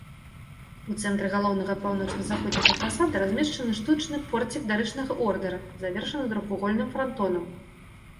У цэнтры галоўнага паўночна-заходняга фасада размешчаны штучны порцік дарычнага ордэра, завершаны трохвугольным франтонам.